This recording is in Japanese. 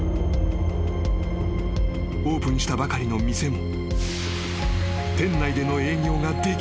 ［オープンしたばかりの店も］